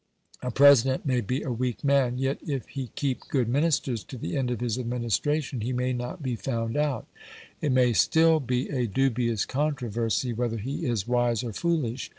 A President may be a weak man; yet if he keep good Ministers to the end of his administration, he may not be found out it may still be a dubious controversy whether he is wise or foolish.